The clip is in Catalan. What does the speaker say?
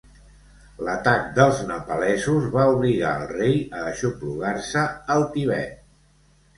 L'atac dels nepalesos va obligar al rei a aixoplugar-se al Tibet.